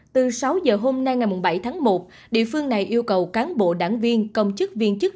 từ sáu giờ hôm nay ngày bảy tháng một địa phương này yêu cầu cán bộ đảng viên công chức viên chức